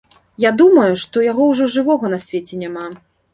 Я думаю, што яго ўжо жывога на свеце няма.